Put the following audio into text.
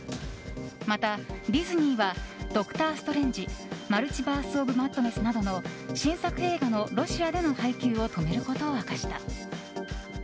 また、ディズニーは「ドクター・ストレンジ／マルチバース・オブ・マッドネス」などの新作映画のロシアでの配給を止めることを明かした。